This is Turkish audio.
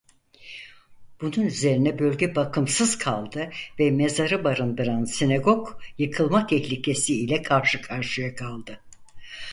Bunun üzerine bölge bakımsız kaldı ve mezarı barındıran sinagog yıkılma tehlikesi ile karşı karşıya kaldı.